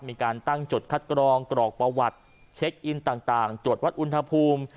มีการตั้งจุดคัดกรองกรอกประวัติเช็คอินต่างตรวจวัดอุณหภูมิ